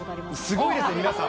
すごいですね、皆さん。